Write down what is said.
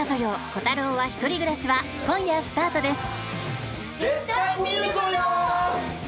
コタローは１人暮らし」は今夜スタートです。